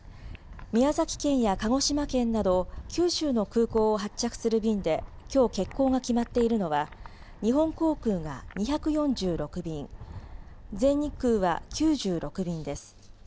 宮崎県や鹿児島県など九州の空港を発着する便できょう欠航が決まっているのは日本航空が２４６便、全日空は９６便です。